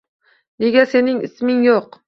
Nega sening isming yo’q?